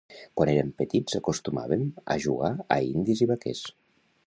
Quan érem petits acostumàvem a jugar a indis i vaquers.